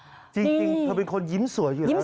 แล้วก็ขอบคุณทีมช่างแต่งหน้าของคุณส้มที่ให้เรานำเสนอข่าวนี้